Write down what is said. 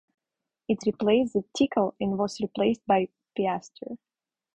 It replaced the tical and was replaced by the piastre.